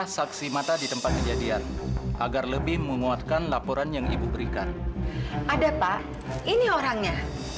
sampai jumpa di video selanjutnya